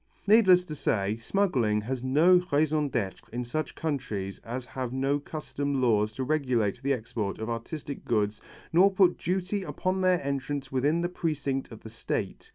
Needless to say smuggling has no raison d'être in such countries as have no custom laws to regulate the export of artistic goods nor put duty upon their entrance within the precinct of the State.